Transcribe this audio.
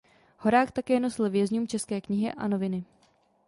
Horák také nosil vězňům české knihy a noviny.